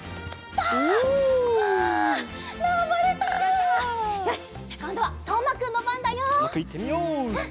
とうまくんいってみよう！